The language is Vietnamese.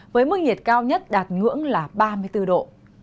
với mức nhiệt cao nhất đạt ngưỡng là ba mươi bốn độ